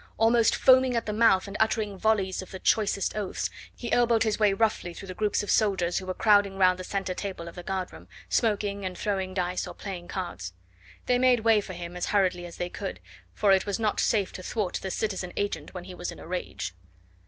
Almost foaming at the mouth and uttering volleys of the choicest oaths, he elbowed his way roughly through the groups of soldiers who were crowding round the centre table of the guard room, smoking and throwing dice or playing cards. They made way for him as hurriedly as they could, for it was not safe to thwart the citizen agent when he was in a rage.